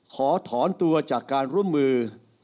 ขอถอนตัวจากการร่วมมือ